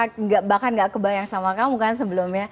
bahkan nggak kebanyakan sama kamu kan sebelumnya